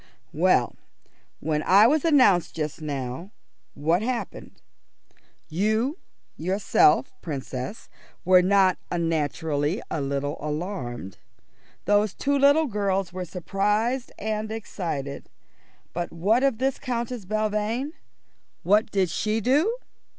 "Well, when I was announced just now, what happened? You, yourself, Princess, were not unnaturally a little alarmed; those two little girls were surprised and excited; but what of this Countess Belvane? What did she do?"